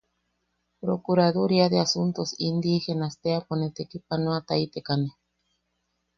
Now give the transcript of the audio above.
Procuraduría de asuntos indígenas teapo ne tekipanoataitekane.